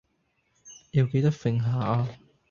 要記得抖下呀